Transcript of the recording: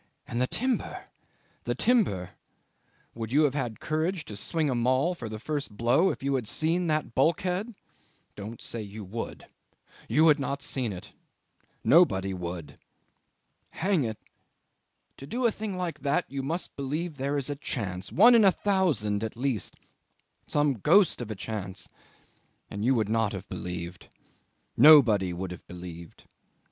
And the timber the timber! Would you have had the courage to swing the maul for the first blow if you had seen that bulkhead? Don't say you would: you had not seen it; nobody would. Hang it to do a thing like that you must believe there is a chance, one in a thousand, at least, some ghost of a chance; and you would not have believed. Nobody would have believed.